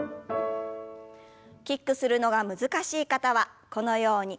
キックするのが難しい方はこのように。